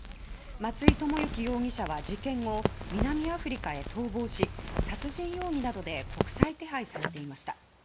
松井知行容疑者は事件後南アフリカへ逃亡し殺人容疑などで国際手配されていました。